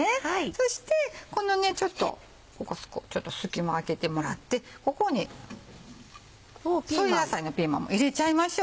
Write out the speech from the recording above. そしてこのちょっとここ隙間空けてもらってここに添え野菜のピーマンも入れちゃいましょう。